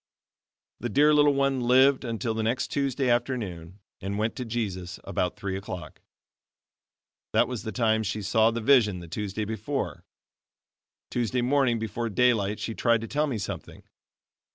The dear little one lived until the next Tuesday afternoon, and went to Jesus about three o'clock. That was the time she saw the vision the Tuesday before. Tuesday morning before daylight she tried to tell me something.